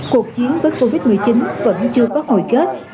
cuộc chiến với covid một mươi chín vẫn chưa có hồi kết